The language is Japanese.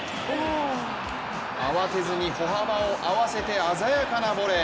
慌てずに歩幅を合わせて鮮やかなボレー。